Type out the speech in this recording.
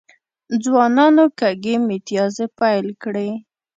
ځوانانو کږې میتیازې پیل کړي.